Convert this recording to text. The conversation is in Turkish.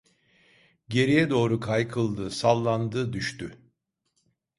Geriye doğru kaykıldı, sallandı, düştü...